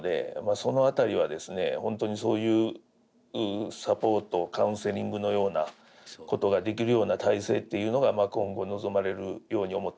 本当にそういうサポートカウンセリングのようなことができるような体制っていうのが今後望まれるように思っております。